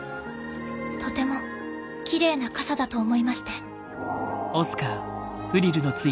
とてもキレイな傘だと思いまして。